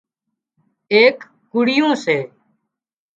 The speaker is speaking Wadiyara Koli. ايڪ ڪُڙيون سي